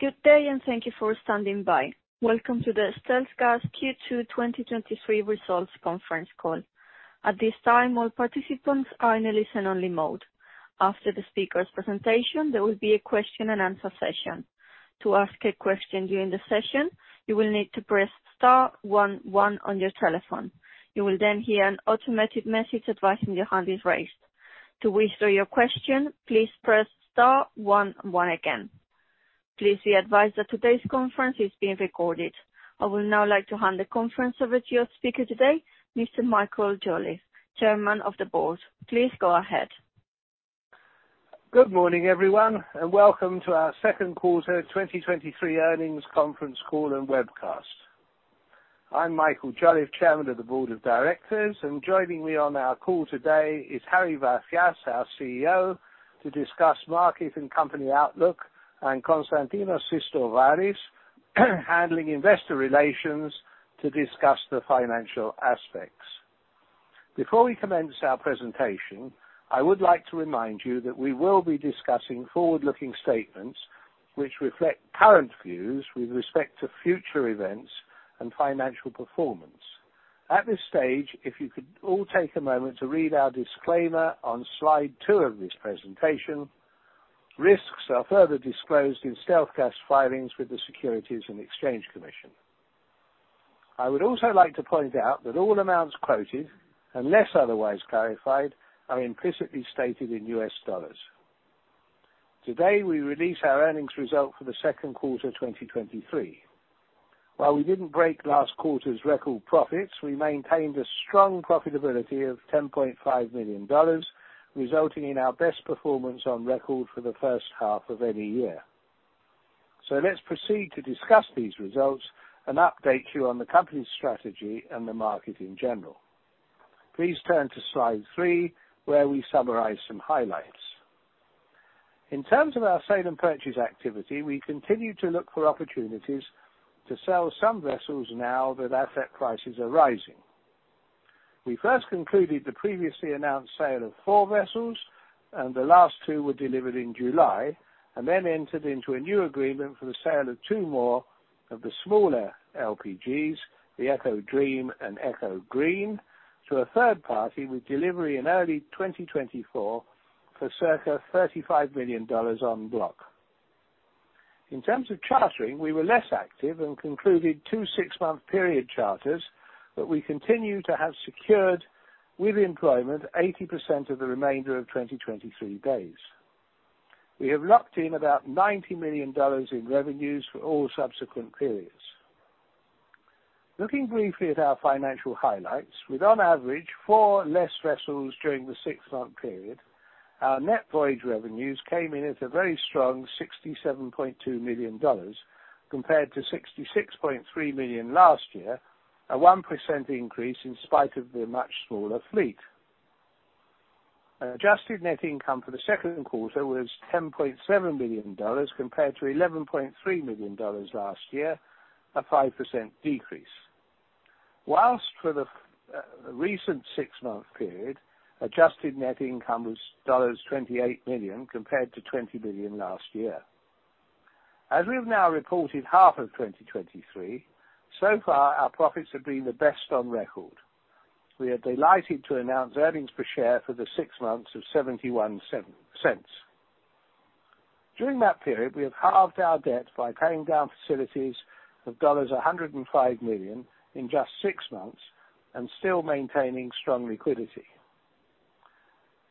Good day, and thank you for standing by. Welcome to the StealthGas Q2 2023 Results conference call. At this time, all participants are in a listen-only mode. After the speaker's presentation, there will be a question-and-answer session. To ask a question during the session, you will need to press star one one on your telephone. You will hear an automated message advising your hand is raised. To withdraw your question, please press star one one again. Please be advised that today's conference is being recorded. I would now like to hand the conference over to your speaker today, Mr. Michael Jolliffe, chairman of the board. Please go ahead. Good morning, everyone, welcome to our second quarter 2023 earnings conference call and webcast. I'm Michael Jolliffe, Chairman of the Board of Directors, and joining me on our call today is Harry Vafias, our CEO, to discuss market and company outlook, and Konstantinos Sistovaris, handling Investor Relations to discuss the financial aspects. Before we commence our presentation, I would like to remind you that we will be discussing forward-looking statements which reflect current views with respect to future events and financial performance. At this stage, if you could all take a moment to read our disclaimer on Slide 2 of this presentation. Risks are further disclosed in StealthGas filings with the Securities and Exchange Commission. I would also like to point out that all amounts quoted, unless otherwise clarified, are implicitly stated in U.S. dollars. Today, we release our earnings result for the second quarter 2023. While we didn't break last quarter's record profits, we maintained a strong profitability of $10.5 million, resulting in our best performance on record for the first half of any year. Let's proceed to discuss these results and update you on the company's strategy and the market in general. Please turn to Slide 3, where we summarize some highlights. In terms of our sale and purchase activity, we continue to look for opportunities to sell some vessels now that asset prices are rising. We first concluded the previously announced sale of 4 vessels, and the last 2 were delivered in July, and then entered into a new agreement for the sale of 2 more of the smaller LPGs, the Eco Dream and Eco Green, to a third party, with delivery in early 2024 for circa $35 million on block. In terms of chartering, we were less active and concluded 2 six-month period charterers, but we continue to have secured, with employment, 80% of the remainder of 2023 days. We have locked in about $90 million in revenues for all subsequent periods. Looking briefly at our financial highlights, with on average 4 less vessels during the six-month period, our net voyage revenues came in at a very strong $67.2 million, compared to $66.3 million last year, a 1% increase in spite of the much smaller fleet. An adjusted net income for the second quarter was $10.7 million, compared to $11.3 million last year, a 5% decrease. Whilst for the recent six-month period, adjusted net income was $28 million, compared to $20 million last year. As we've now reported, half of 2023, so far, our profits have been the best on record. We are delighted to announce earnings per share for the six months of $0.71. During that period, we have halved our debt by paying down facilities of $105 million in just six months and still maintaining strong liquidity.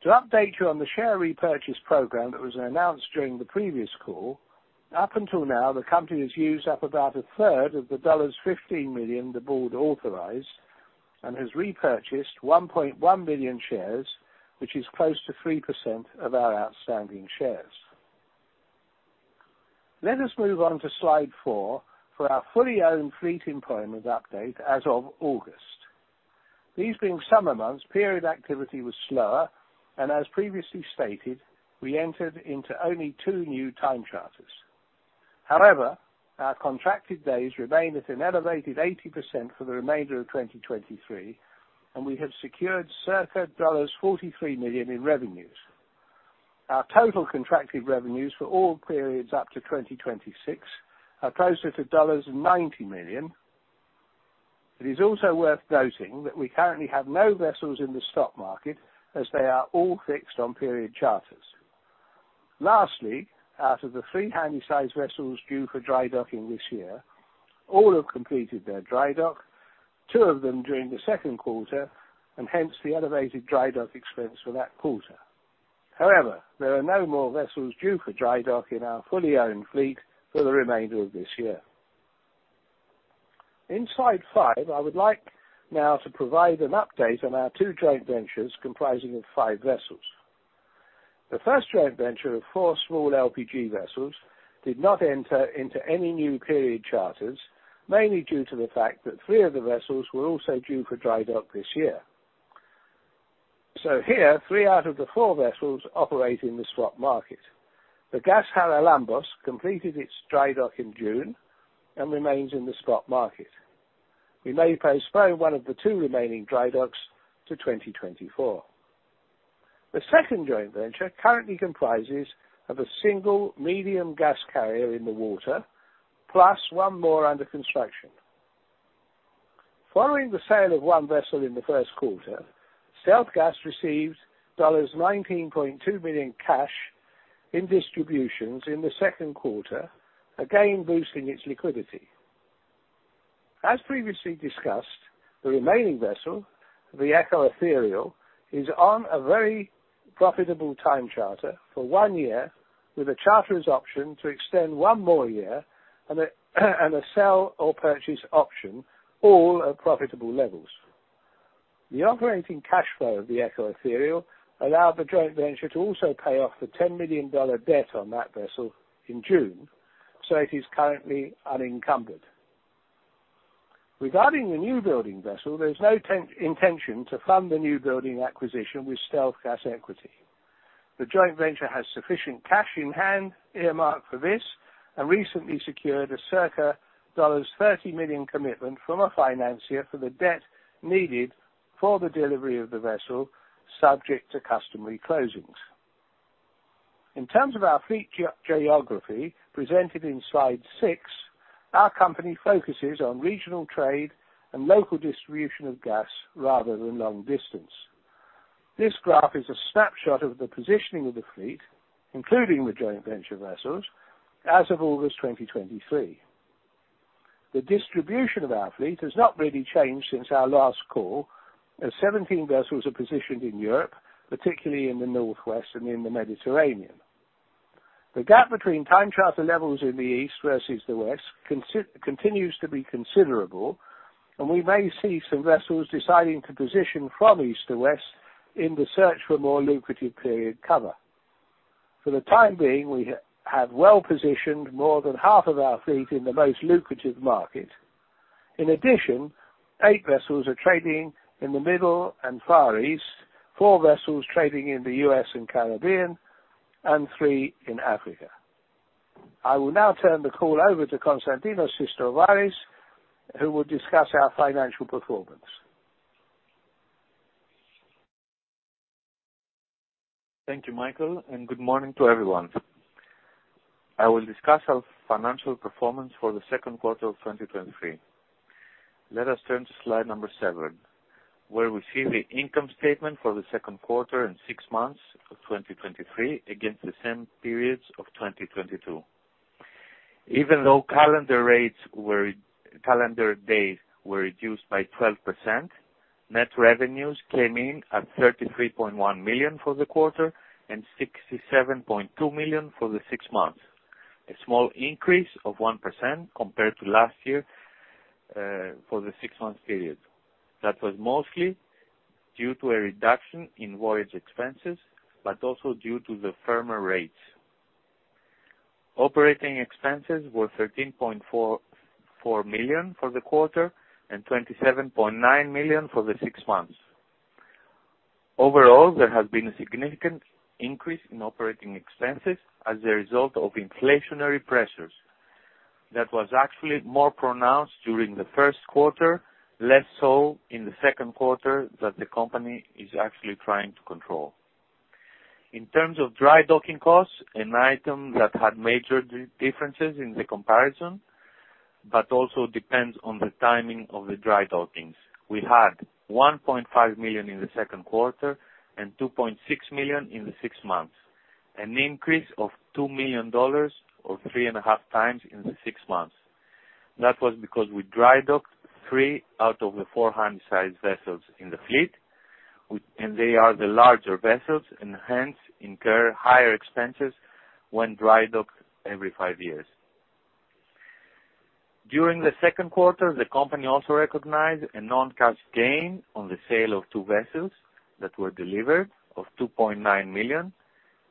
To update you on the share repurchase program that was announced during the previous call, up until now, the company has used up about a third of the $15 million the board authorized and has repurchased 1.1 million shares, which is close to 3% of our outstanding shares. Let us move on to Slide 4 for our fully owned fleet employment update as of August. These being summer months, period activity was slower, and as previously stated, we entered into only 2 new time charterers. However, our contracted days remain at an elevated 80% for the remainder of 2023, and we have secured circa $43 million in revenues. Our total contracted revenues for all periods up to 2026 are closer to $90 million. It is also worth noting that we currently have no vessels in the spot market, as they are all fixed on period charterers. Lastly, out of the three handy-sized vessels due for dry docking this year, all have completed their dry dock, two of them during the second quarter, and hence the elevated dry dock expense for that quarter. However, there are no more vessels due for dry dock in our fully owned fleet for the remainder of this year. In slide 5, I would like now to provide an update on our two joint ventures comprising of five vessels. The first joint venture of 4 small LPG vessels did not enter into any new period charterers, mainly due to the fact that 3 of the vessels were also due for dry dock this year. Here, 3 out of the 4 vessels operate in the spot market. The Gas Haralambos completed its dry dock in June and remains in the spot market. We may postpone 1 of the 2 remaining dry docks to 2024. The second joint venture currently comprises of a single medium gas carrier in the water, plus 1 more under construction. Following the sale of 1 vessel in the first quarter, StealthGas received $19.2 million cash in distributions in the second quarter, again boosting its liquidity. As previously discussed, the remaining vessel, the Eco Ethereal, is on a very profitable time charter for one year, with a charterer's option to extend one more year and a sell or purchase option, all at profitable levels. The operating cash flow of the Eco Ethereal allowed the joint venture to also pay off the $10 million debt on that vessel in June, it is currently unencumbered. Regarding the new building vessel, there's no intention to fund the new building acquisition with StealthGas equity. The joint venture has sufficient cash in hand earmarked for this, recently secured a circa $30 million commitment from a financier for the debt needed for the delivery of the vessel, subject to customary closings. In terms of our fleet geography, presented in slide six, our company focuses on regional trade and local distribution of gas rather than long distance. This graph is a snapshot of the positioning of the fleet, including the joint venture vessels, as of August 2023. The distribution of our fleet has not really changed since our last call, as 17 vessels are positioned in Europe, particularly in the Northwest and in the Mediterranean. The gap between time charter levels in the East versus the West continues to be considerable, and we may see some vessels deciding to position from East to West in the search for more lucrative period cover. For the time being, we have well positioned more than half of our fleet in the most lucrative market. In addition, eight vessels are trading in the Middle and Far East, four vessels trading in the U.S. and Caribbean, and three in Africa. I will now turn the call over to Konstantinos Sistovaris, who will discuss our financial performance. Thank you, Michael, and good morning to everyone. I will discuss our financial performance for the second quarter of 2023. Let us turn to slide number 7, where we see the income statement for the second quarter and 6 months of 2023 against the same periods of 2022. Even though calendar days were reduced by 12%, net revenues came in at $33.1 million for the quarter and $67.2 million for the 6 months. A small increase of 1% compared to last year for the six-month period. That was mostly due to a reduction in voyage expenses, but also due to the firmer rates. Operating expenses were $13.44 million for the quarter and $27.9 million for the 6 months. Overall, there has been a significant increase in operating expenses as a result of inflationary pressures. That was actually more pronounced during the first quarter, less so in the second quarter, that the company is actually trying to control. In terms of dry docking costs, an item that had major differences in the comparison, but also depends on the timing of the dry dockings. We had $1.5 million in the second quarter and $2.6 million in the six months, an increase of $2 million, or 3.5 times in the six months. That was because we dry docked three out of the four handy-sized vessels in the fleet, and they are the larger vessels and hence incur higher expenses when dry docked every five years. During the second quarter, the company also recognized a non-cash gain on the sale of two vessels that were delivered of $2.9 million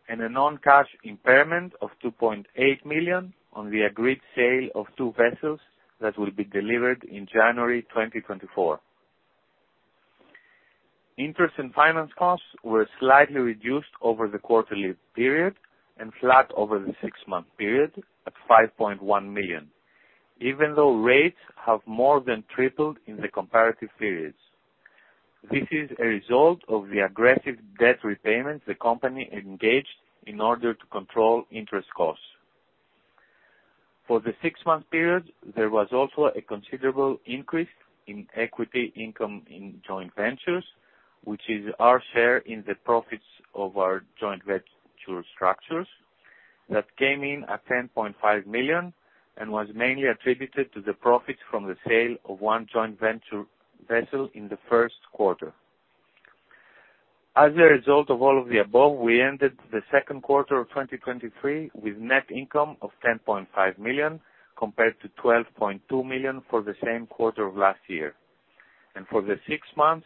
and a non-cash impairment of $2.8 million on the agreed sale of two vessels that will be delivered in January 2024. Interest and finance costs were slightly reduced over the quarterly period and flat over the six-month period at $5.1 million, even though rates have more than tripled in the comparative periods. This is a result of the aggressive debt repayments the company engaged in order to control interest costs. For the six-month period, there was also a considerable increase in equity income in joint ventures, which is our share in the profits of our joint venture structures. That came in at $10.5 million and was mainly attributed to the profits from the sale of one JV vessel in the first quarter. As a result of all of the above, we ended the second quarter of 2023 with net income of $10.5 million, compared to $12.2 million for the same quarter of last year. For the six-month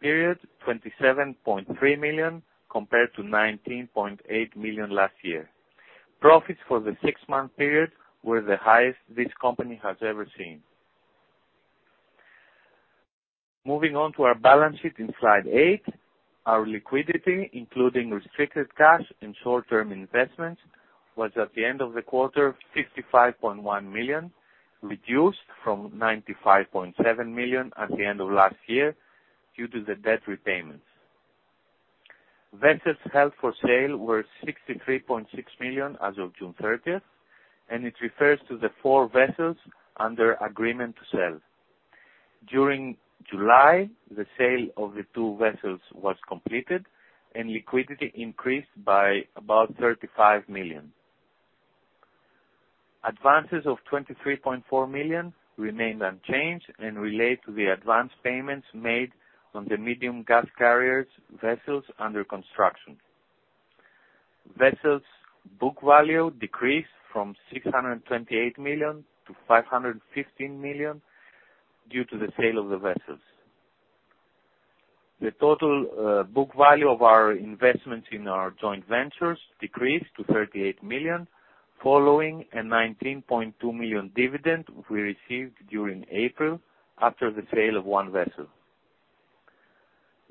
period, $27.3 million, compared to $19.8 million last year. Profits for the six-month period were the highest this company has ever seen. Moving on to our balance sheet in Slide 8, our liquidity, including restricted cash and short-term investments was at the end of the quarter, $55.1 million, reduced from $95.7 million at the end of last year, due to the debt repayments. Vessels held for sale were $63.6 million as of June 30th. It refers to the 4 vessels under agreement to sell. During July, the sale of the 2 vessels was completed. Liquidity increased by about $35 million. Advances of $23.4 million remained unchanged. Relate to the advance payments made on the medium gas carriers vessels under construction. Vessels book value decreased from $628 million to $515 million due to the sale of the vessels. The total book value of our investments in our joint ventures decreased to $38 million, following a $19.2 million dividend we received during April after the sale of 1 vessel.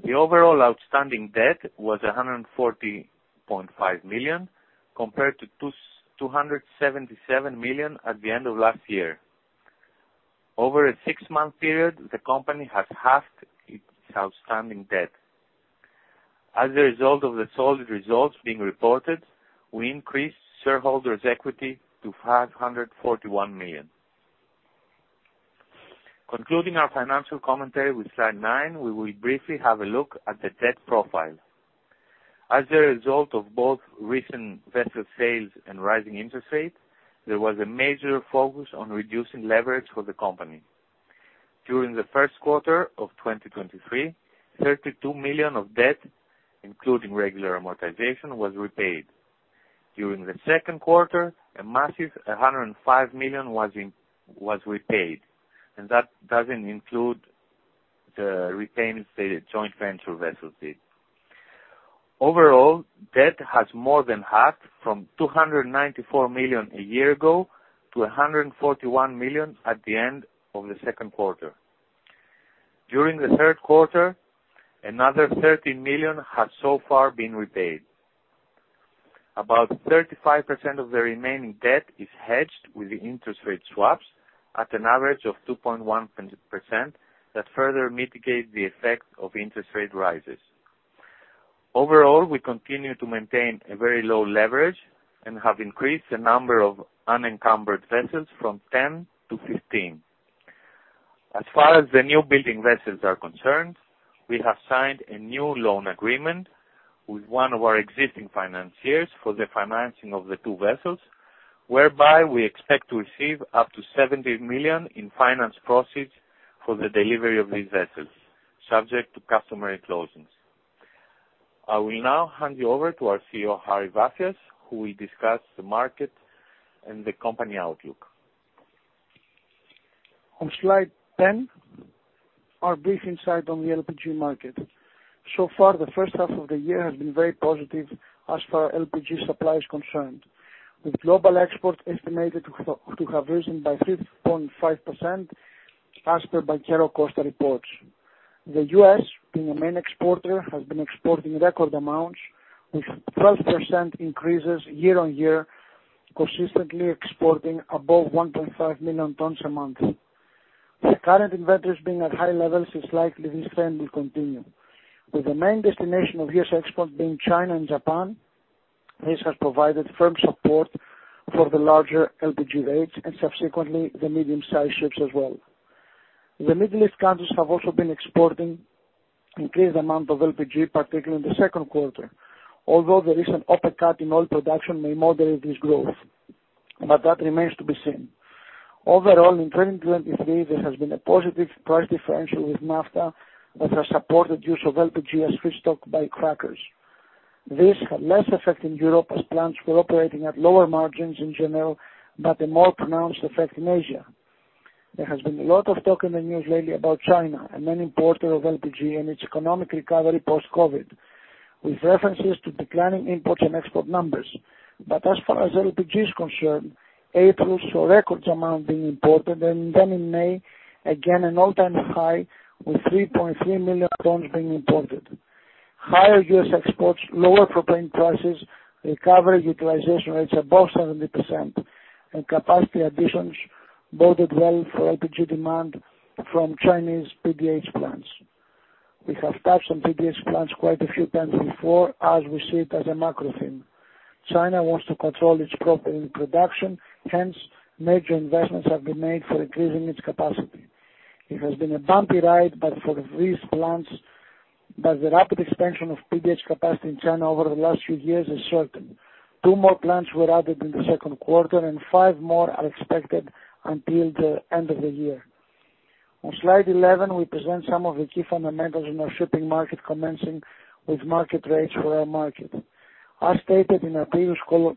The overall outstanding debt was $140.5 million, compared to $277 million at the end of last year. Over a 6-month period, the company has halved its outstanding debt. As a result of the solid results being reported, we increased shareholders' equity to $541 million. Concluding our financial commentary with slide 9, we will briefly have a look at the debt profile. As a result of both recent vessel sales and rising interest rates, there was a major focus on reducing leverage for the company. During the first quarter of 2023, $32 million of debt, including regular amortization, was repaid. During the second quarter, a massive $105 million was repaid. That doesn't include the repayment of the joint venture vessel debt. Overall, debt has more than halved, from $294 million a year ago to $141 million at the end of the second quarter. During the third quarter, another $13 million has so far been repaid. About 35% of the remaining debt is hedged with interest rate swaps at an average of 2.1%, that further mitigate the effect of interest rate rises. Overall, we continue to maintain a very low leverage and have increased the number of unencumbered vessels from 10 to 15. As far as the new building vessels are concerned, we have signed a new loan agreement with one of our existing financiers for the financing of the 2 vessels, whereby we expect to receive up to $70 million in finance proceeds for the delivery of these vessels, subject to customary closings. I will now hand you over to our CEO, Harry Vafias, who will discuss the market and the company outlook. On slide 10, our brief insight on the LPG market. Far, the first half of the year has been very positive as far as LPG supply is concerned, with global exports estimated to have risen by 3.5%, as per Banchero Costa reports. The U.S., being a main exporter, has been exporting record amounts, with 12% increases year-on-year, consistently exporting above 1.5 million tons a month. The current inventories being at high levels, it's likely this trend will continue. With the main destination of U.S. export being China and Japan, this has provided firm support for the larger LPG rates and subsequently the medium-sized ships as well. The Middle East countries have also been exporting increased amount of LPG, particularly in the second quarter, although the recent OPEC cut in oil production may moderate this growth, but that remains to be seen. Overall, in 2023, there has been a positive price differential with naphtha that has supported use of LPG as feedstock by crackers. This had less effect in Europe as plants were operating at lower margins in general, but a more pronounced effect in Asia. There has been a lot of talk in the news lately about China, a main importer of LPG, and its economic recovery post-COVID, with references to declining imports and export numbers. As far as LPG is concerned, April saw record amounts being imported, and then in May, again, an all-time high with 3.3 million tons being imported. Higher U.S. exports, lower propane prices, recovery utilization rates above 70%, and capacity additions boded well for LPG demand from Chinese PDH plants. We have touched on PDH plants quite a few times before, as we see it as a macro theme. China wants to control its propane production, hence major investments have been made for increasing its capacity. It has been a bumpy ride, but for these plants, the rapid expansion of PDH capacity in China over the last few years is certain. Two more plants were added in the second quarter, and five more are expected until the end of the year. On slide 11, we present some of the key fundamentals in our shipping market, commencing with market rates for our market. As stated in our previous call,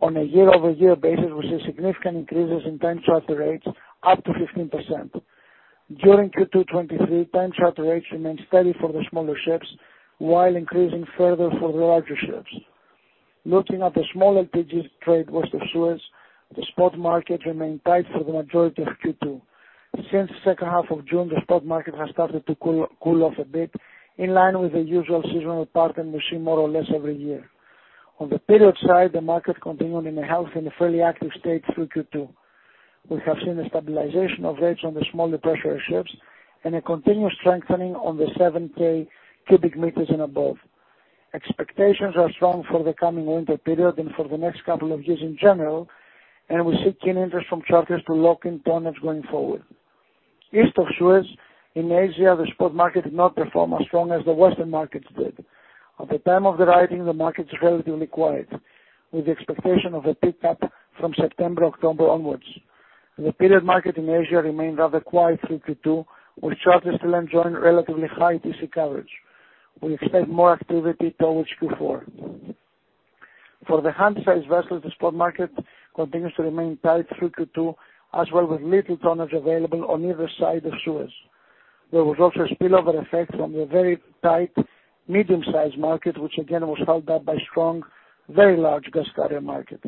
on a year-over-year basis, we see significant increases in time charter rates up to 15%. During Q2 '23, time charter rates remained steady for the smaller ships, while increasing further for the larger ships. Looking at the small LPG trade west of Suez. The spot market remained tight for the majority of Q2. Since the second half of June, the spot market has started to cool off a bit, in line with the usual seasonal pattern we see more or less every year. On the period side, the market continued in a healthy and fairly active state through Q2. We have seen a stabilization of rates on the smaller pressure ships and a continuous strengthening on the 7,000 cubic meters and above. Expectations are strong for the coming winter period and for the next couple of years in general, and we see keen interest from charterers to lock in tonnage going forward. East of Suez in Asia, the spot market did not perform as strong as the Western markets did. At the time of the writing, the market is relatively quiet, with the expectation of a pickup from September, October onwards. The period market in Asia remained rather quiet through Q2, with charterers still enjoying relatively high TC coverage. We expect more activity towards Q4. For the handy-sized vessels, the spot market continues to remain tight through Q2, as well with little tonnage available on either side of Suez. There was also a spillover effect from the very tight medium-sized market, which again was held up by strong, very large gas carrier market.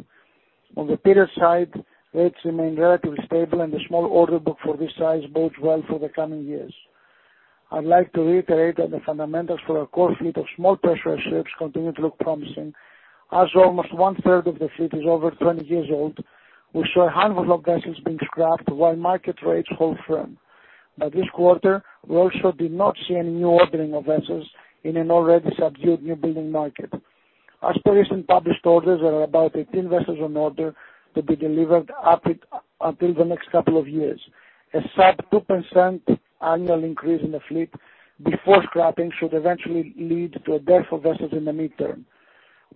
On the period side, rates remained relatively stable and the small order book for this size bodes well for the coming years. I'd like to reiterate that the fundamentals for our core fleet of small pressure ships continue to look promising, as almost one-third of the fleet is over 20 years old. We saw 100 vessels being scrapped while market rates hold firm. By this quarter, we also did not see any new ordering of vessels in an already subdued new building market. As per recent published orders, there are about 18 vessels on order to be delivered up until the next couple of years. A sub 2% annual increase in the fleet before scrapping should eventually lead to a dearth of vessels in the midterm.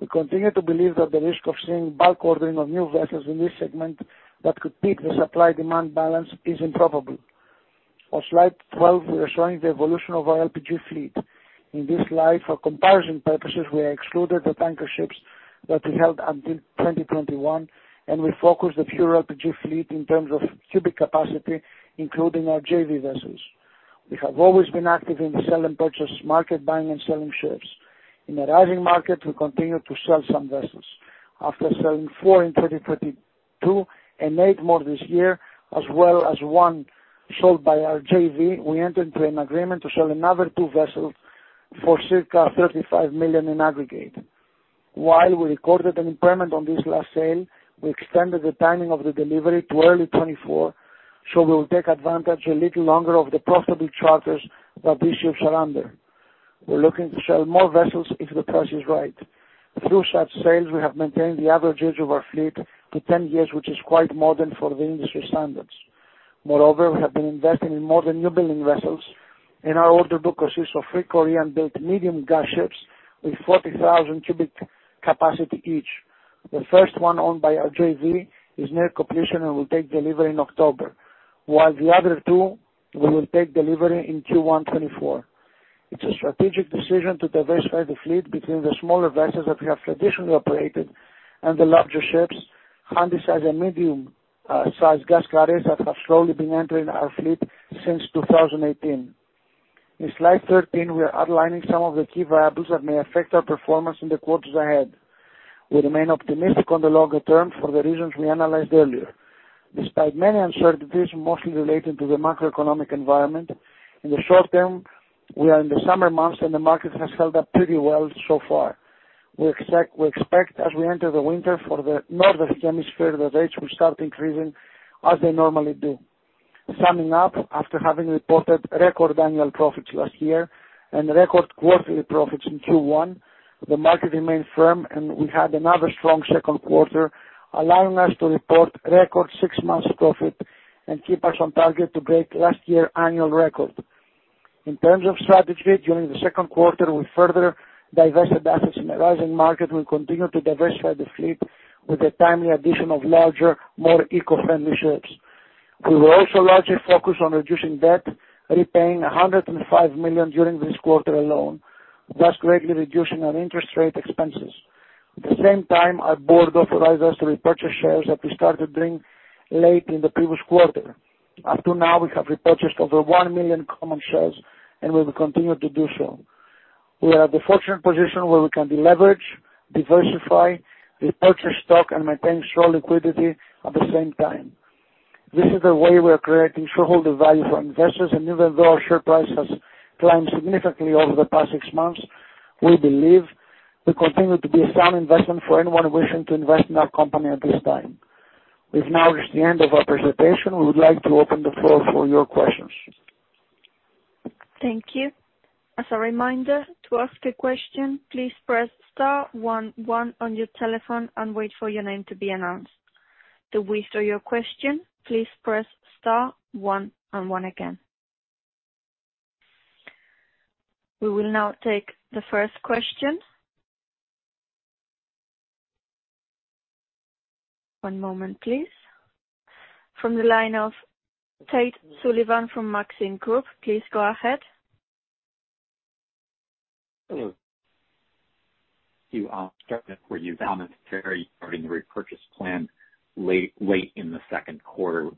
We continue to believe that the risk of seeing bulk ordering of new vessels in this segment that could peak the supply-demand balance is improbable. On slide 12, we are showing the evolution of our LPG fleet. In this slide, for comparison purposes, we have excluded the tanker ships that we held until 2021, and we focus the pure LPG fleet in terms of cubic capacity, including our JV vessels. We have always been active in the sell and purchase market, buying and selling ships. In a rising market, we continue to sell some vessels. After selling 4 in 2022 and 8 more this year, as well as 1 sold by our JV, we entered into an agreement to sell another 2 vessels for circa $35 million in aggregate. While we recorded an impairment on this last sale, we extended the timing of the delivery to early 2024, so we will take advantage a little longer of the profitable charterers that these ships are under. We're looking to sell more vessels if the price is right. Through such sales, we have maintained the averages of our fleet to 10 years, which is quite modern for the industry standards. Moreover, we have been investing in more than new building vessels, and our order book consists of 3 Korean-built medium gas carriers with 40,000 cubic capacity each. The first one, owned by our JV, is near completion and will take delivery in October, while the other two will take delivery in Q1 2024. It's a strategic decision to diversify the fleet between the smaller vessels that we have traditionally operated and the larger ships, handy-sized and medium size gas carriers that have slowly been entering our fleet since 2018. In slide 13, we are outlining some of the key variables that may affect our performance in the quarters ahead. We remain optimistic on the longer term for the reasons we analyzed earlier. Despite many uncertainties, mostly related to the macroeconomic environment, in the short term, we are in the summer months and the market has held up pretty well so far. We expect as we enter the winter for the Northern Hemisphere, the rates will start increasing as they normally do. Summing up, after having reported record annual profits last year and record quarterly profits in Q1, the market remained firm and we had another strong second quarter, allowing us to report record 6 months profit and keep us on target to break last year annual record. In terms of strategy, during the second quarter, we further divested assets in the rising market. We continue to diversify the fleet with the timely addition of larger, more eco-friendly ships. We were also largely focused on reducing debt, repaying $105 million during this quarter alone, thus greatly reducing our interest rate expenses. At the same time, our board authorized us to repurchase shares that we started doing late in the previous quarter. Up to now, we have repurchased over 1 million common shares, and we will continue to do so. We are at the fortunate position where we can deleverage, diversify, repurchase stock and maintain strong liquidity at the same time. This is the way we are creating shareholder value for investors. Even though our share price has climbed significantly over the past six months, we believe we continue to be a sound investment for anyone wishing to invest in our company at this time. We've now reached the end of our presentation. We would like to open the floor for your questions. Thank you. As a reminder, to ask a question, please press star one one on your telephone and wait for your name to be announced. To withdraw your question, please press star one and one again. We will now take the first question. One moment, please. From the line of Tate Sullivan from Maxim Group, please go ahead. Hello. You started where you announced very starting the repurchase plan late, late in the second quarter,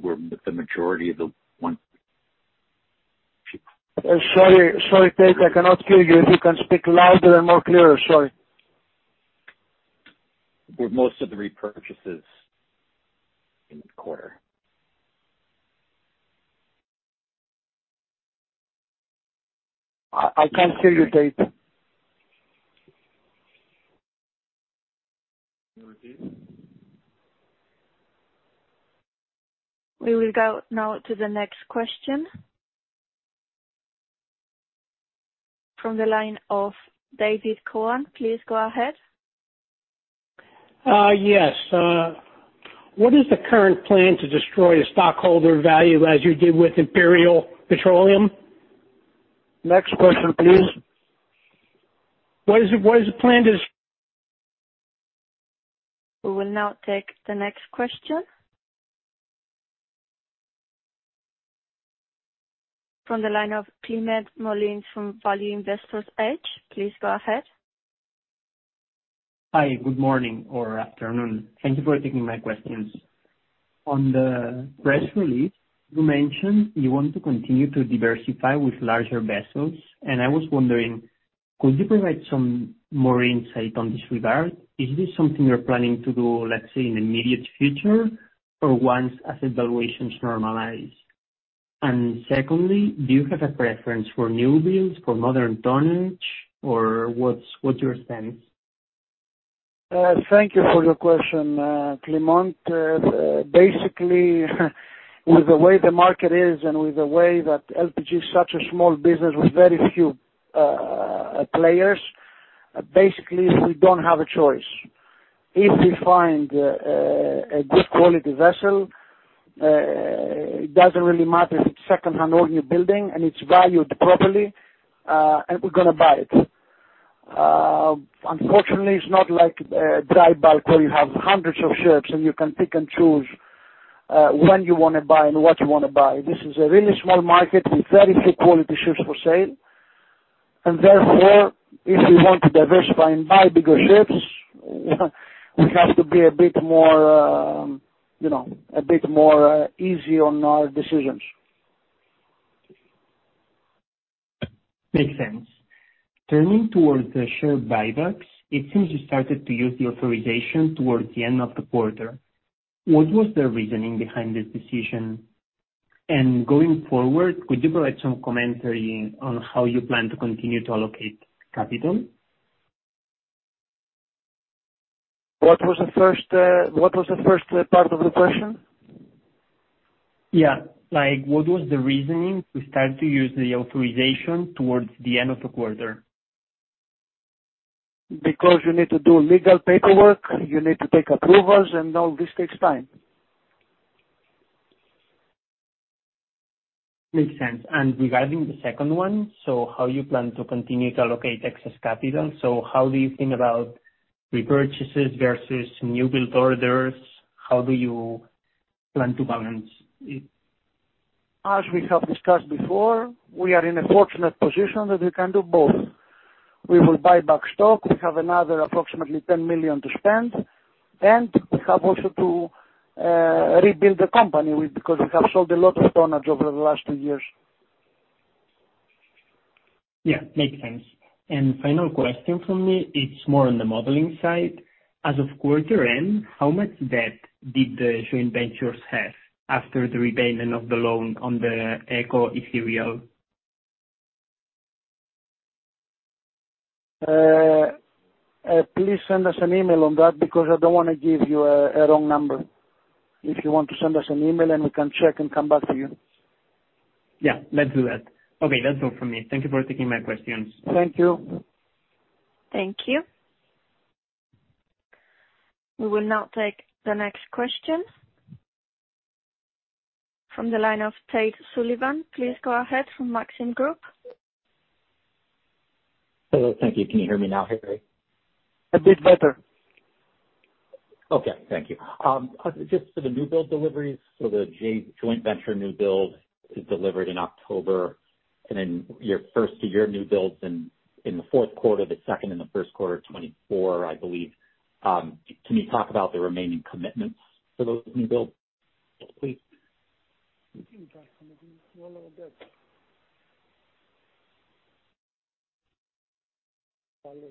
where the majority of the one- Sorry, sorry, Tate, I cannot hear you. If you can speak louder and more clearer. Sorry. With most of the repurchases in the quarter. I, I can't hear you, Tate. We will go now to the next question. From the line of David Cohen, please go ahead. Yes. What is the current plan to destroy a stockholder value as you did with Imperial Petroleum? Next question, please. What is the plan to- We will now take the next question. From the line of Climent Molins from Value Investor's Edge. Please go ahead. Hi, good morning or afternoon. Thank you for taking my questions. On the press release, you mentioned you want to continue to diversify with larger vessels, I was wondering, could you provide some more insight on this regard? Is this something you're planning to do, let's say, in the immediate future, or once as evaluations normalize? Secondly, do you have a preference for new builds, for modern tonnage, or what's, what's your stance? Thank you for your question, Clement. Basically, with the way the market is and with the way that LPG is such a small business with very few players, basically, we don't have a choice. If we find a good quality vessel, it doesn't really matter if it's secondhand or new building and it's valued properly, and we're gonna buy it. Unfortunately, it's not like dry bulk, where you have hundreds of ships and you can pick and choose when you wanna buy and what you wanna buy. This is a really small market with very few quality ships for sale, and therefore, if we want to diversify and buy bigger ships, we have to be a bit more, you know, a bit more easy on our decisions. Makes sense. Turning towards the share buybacks, it seems you started to use the authorization towards the end of the quarter. What was the reasoning behind this decision? Going forward, could you provide some commentary on how you plan to continue to allocate capital? What was the first, what was the first part of the question? Yeah, like, what was the reasoning to start to use the authorization towards the end of the quarter? Because you need to do legal paperwork, you need to take approvals, and all this takes time. Makes sense. Regarding the second one, so how you plan to continue to allocate excess capital, so how do you think about repurchases versus new build orders? How do you plan to balance it? As we have discussed before, we are in a fortunate position that we can do both. We will buy back stock. We have another approximately $10 million to spend, and we have also to rebuild the company with, because we have sold a lot of tonnage over the last two years. Yeah, makes sense. Final question from me, it's more on the modeling side. As of quarter end, how much debt did the joint ventures have after the repayment of the loan on the Eco Ethereal? Please send us an email on that, because I don't want to give you a wrong number. If you want to send us an email and we can check and come back to you. Yeah, let's do that. Okay, that's all for me. Thank you for taking my questions. Thank you. Thank you. We will now take the next question. From the line of Tate Sullivan, please go ahead from Maxim Group. Hello. Thank you. Can you hear me now, Harry? A bit better. Okay. Thank you. Just for the new build deliveries, so the joint venture new build is delivered in October, and then your first of year new builds in, in the fourth quarter, the second and the first quarter of 2024, I believe. Can you talk about the remaining commitments for those new builds, please? For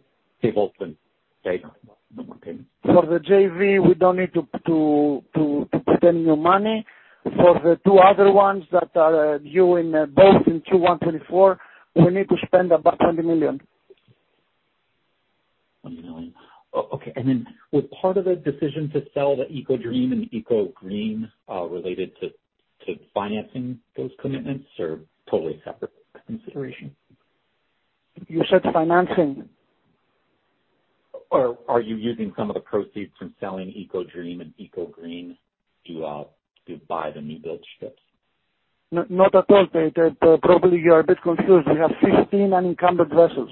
the JV, we don't need to spend new money. For the 2 other ones that are due in both in 2024, we need to spend about $20 million. $20 million. Okay, was part of the decision to sell the Eco Dream and Eco Green related to financing those commitments or totally separate consideration? You said financing? Are you using some of the proceeds from selling Eco Dream and Eco Green to buy the new build ships? Not at all, Tate. Probably you are a bit confused. We have 16 unencumbered vessels.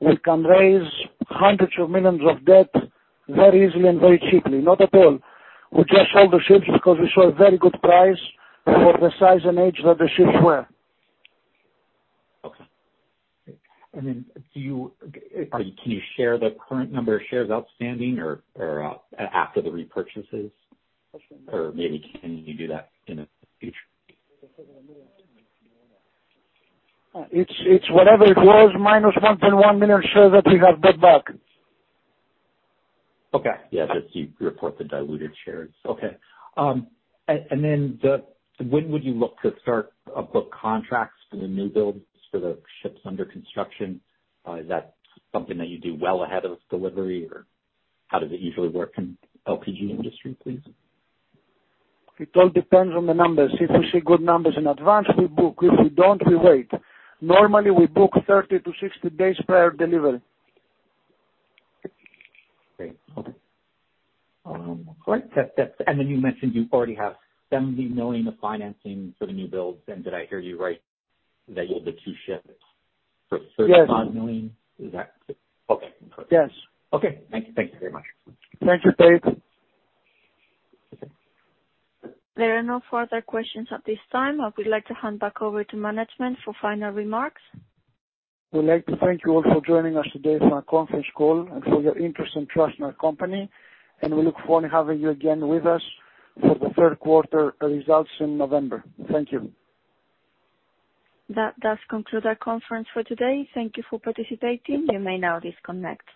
We can raise hundreds of millions of debt very easily and very cheaply. Not at all. We just sold the ships because we saw a very good price for the size and age that the ships were. Okay. Then do you, are you, can you share the current number of shares outstanding or after the repurchases? Or maybe can you do that in the future? It's, it's whatever it was, minus 1.1 million shares that we have bought back. Okay. Yes, if you report the diluted shares. Okay. When would you look to start book contracts for the new builds for the ships under construction? Is that something that you do well ahead of delivery, or how does it usually work in LPG industry, please? It all depends on the numbers. If we see good numbers in advance, we book. If we don't, we wait. Normally, we book 30 to 60 days prior delivery. Okay. All right. That's. Then you mentioned you already have $70 million of financing for the new builds. Did I hear you right that you have the two ships for $35 million? Yes. Is that... Okay. Yes. Okay, thank you, thank you very much. Thank you, Tate. There are no further questions at this time. I would like to hand back over to management for final remarks. We'd like to thank you all for joining us today for our conference call and for your interest and trust in our company, and we look forward to having you again with us for the third quarter results in November. Thank you. That does conclude our conference for today. Thank you for participating. You may now disconnect.